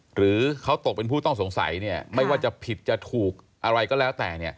หรือเขาตกเป็นผู้ต้องสงสัยไม่ว่าจะผิดจะถูกอะไรก็แล้วแต่